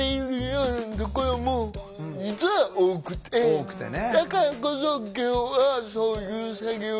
多くてね。